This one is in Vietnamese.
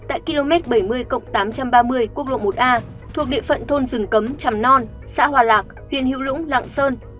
một a thuộc địa phận thôn dừng cấm trầm non xã hòa lạc huyện hữu lũng lạng sơn